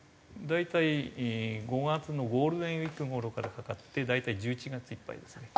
大体５月のゴールデンウィーク頃からかかって大体１１月いっぱいですね。